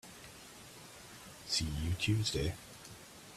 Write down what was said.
See you Tuesday!